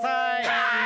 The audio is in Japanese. はい！